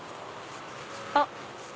あっ。